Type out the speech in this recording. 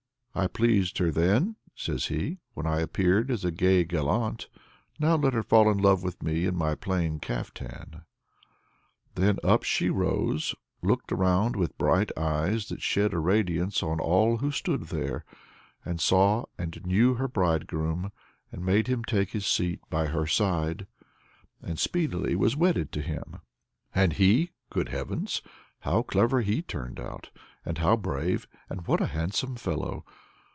"I pleased her then," says he, "when I appeared as a gay gallant; now let her fall in love with me in my plain caftan." Then up she rose, looked around with bright eyes that shed a radiance on all who stood there, and saw and knew her bridegroom, and made him take his seat by her side, and speedily was wedded to him. And he good heavens! how clever he turned out, and how brave, and what a handsome fellow!